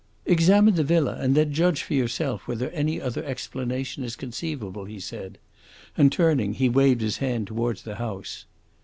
"Examine the villa and then judge for yourself whether any other explanation is conceivable," he said; and turning, he waved his hand towards the house.